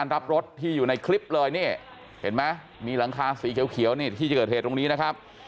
รับรถที่อยู่ในคลิปเลยนี่เห็นไหมมีหลังคาสีเขียวนี่ที่เกิดเหตุตรงนี้นะครับ